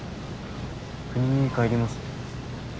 故郷に帰ります。